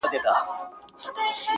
چي یې ستا آواز تر غوږ وي رسېدلی!